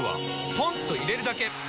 ポンと入れるだけ！